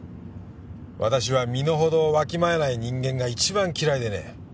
私は身のほどをわきまえない人間が一番嫌いでね。